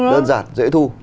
đơn giản dễ thu